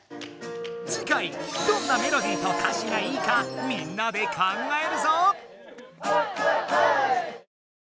次回どんなメロディーと歌詞がいいかみんなで考えるぞ！